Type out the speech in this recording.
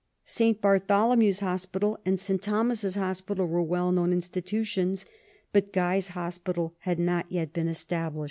St. Bartholomew's Hospital and St. Thomas's Hospital were well known institutions, but Guy's Hospital had not yet been estab lished.